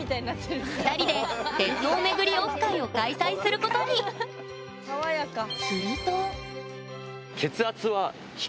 ２人で鉄塔巡りオフ会を開催することに爽やか。